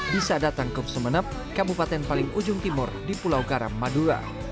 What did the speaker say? bisa datang ke sumeneb kabupaten paling ujung timur di pulau garam madura